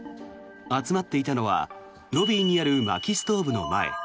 集まっていたのはロビーにあるまきストーブの前。